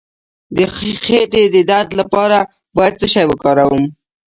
د خیټې د درد لپاره باید څه شی وکاروم؟